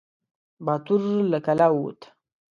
باتور له کلا ووت.